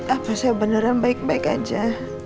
apa saya beneran baik baik aja